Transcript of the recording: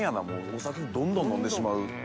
お酒どんどん飲んでしまう。